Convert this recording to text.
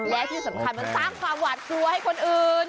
และที่สำคัญมันสร้างความหวาดกลัวให้คนอื่น